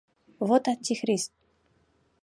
Вот антихрист!